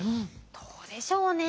どうでしょうね。